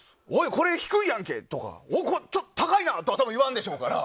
これ低いやんけ！とかちょっと高いな！とかは言わんでしょうから。